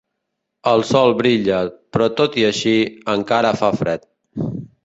El sol brilla, però tot i així, encara fa fred.